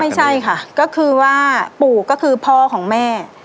ไม่ใช่ค่ะก็คือว่าปู่ก็คือพ่อของแม่